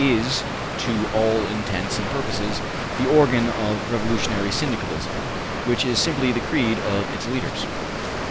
is, to all intents and purposes, the organ of revolutionary Syndicalism, which is simply the creed of its leaders.